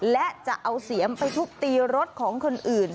และจะเอาเสียมไปทุบตีรถของคนอื่น